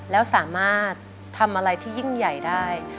แล้วสามารถทำอะไรที่ยิ่งใหญ่ได้